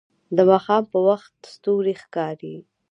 د ماښام په وخت ستوري ښکاري